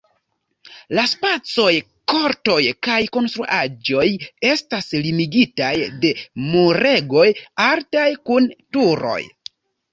La spacoj, kortoj kaj konstruaĵoj estas limigitaj de muregoj altaj kun turoj.